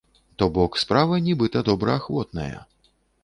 То-бок, справа нібыта добраахвотная.